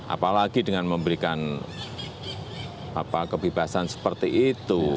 apalagi dengan memberikan kebebasan seperti itu